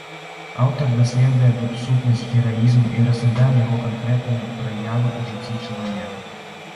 Аўтар даследуе тут сутнасць гераізму і разглядае яго канкрэтныя праявы ў жыцці чалавека.